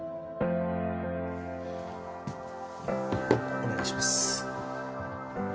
お願いします。